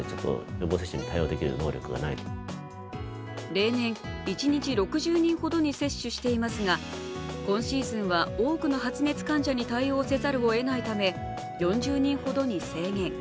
例年一日６０人ほどに接種していますが今シーズンは多くの発熱患者に対応せざるえをないため４０人ほどに制限。